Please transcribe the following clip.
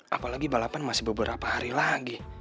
apalagi balapan masih beberapa hari lagi